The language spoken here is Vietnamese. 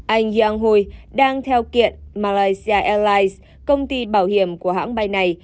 anh yang hui đang theo kiện malaysia airlines công ty bảo hiểm của hãng bay này